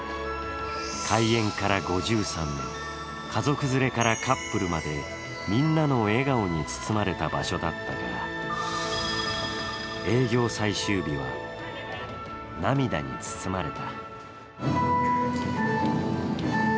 開園から５３年、家族連れからカップルまでみんなの笑顔に包まれた場所だったから営業最終日は、涙に包まれた。